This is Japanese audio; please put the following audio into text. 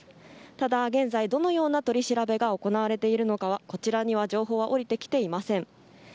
ただ、現在どのような取り調べが行われているのかこちらには情報がおりてきていませ￥ん。